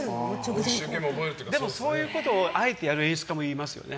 そういうことをあえてやる演出家もいますよね。